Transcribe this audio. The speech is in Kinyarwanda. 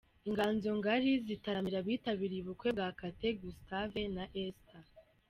Inganzo ngari zitaramira abitabiriye ubukwe bwa Kate Gustave na Esther.